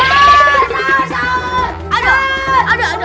aduh aduh aduh